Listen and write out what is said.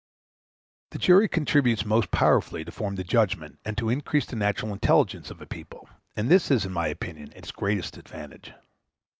The jury contributes most powerfully to form the judgement and to increase the natural intelligence of a people, and this is, in my opinion, its greatest advantage.